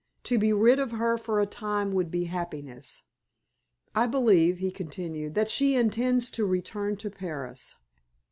To be rid of her for a time would be happiness. "I believe," he continued, "that she intends to return to Paris."